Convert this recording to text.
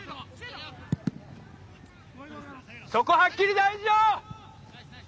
そこはっきり大事だ！